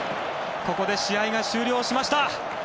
ここで試合が終了しました！